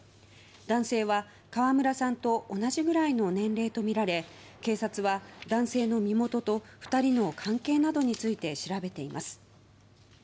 男性は川村さんと同じくらいの年齢とみられ警察は男性の身元と２人の関係などについて調べています。